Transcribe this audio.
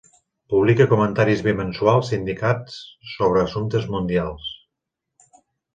Publica comentaris bimensuals sindicats sobre assumptes mundials.